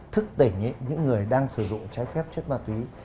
thức tỉnh những người đang sử dụng trái phép chất ma túy